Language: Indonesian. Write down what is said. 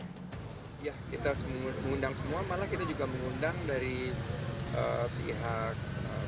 ya kita mengundang semua malah kita juga mengundang dari pihak